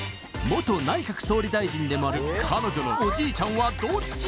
元内閣総理大臣でもある彼女のおじいちゃんはどっち？